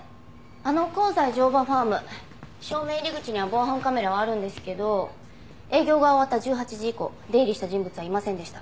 あの香西乗馬ファーム正面入り口には防犯カメラはあるんですけど営業が終わった１８時以降出入りした人物はいませんでした。